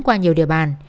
qua nhiều địa bàn